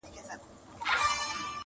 ستا د تخت او زما د سر به دښمنان وي -